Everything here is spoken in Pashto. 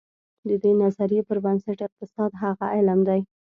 د دې نظریې پر بنسټ اقتصاد هغه علم دی.